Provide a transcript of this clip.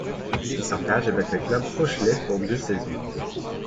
Il s'engage avec le club rochelais pour deux saisons.